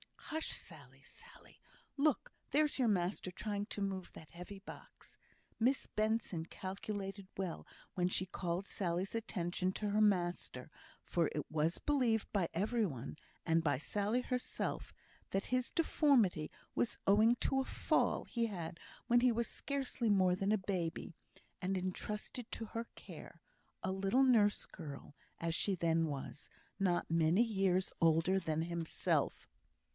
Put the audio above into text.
"Hush! Sally, Sally! Look, there's your master trying to move that heavy box." Miss Benson calculated well when she called Sally's attention to her master; for it was well believed by every one, and by Sally herself, that his deformity was owing to a fall he had had when he was scarcely more than a baby, and entrusted to her care a little nurse girl, as she then was, not many years older than himself.